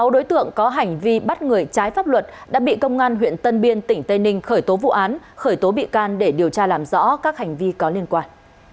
sáu đối tượng có hành vi bắt người trái pháp luật đã bị công an huyện tân biên tỉnh tây ninh khởi tố vụ án khởi tố bị can để điều tra làm rõ các hành vi có liên quan